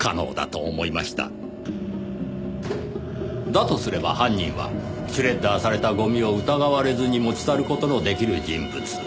だとすれば犯人はシュレッダーされたごみを疑われずに持ち去る事の出来る人物。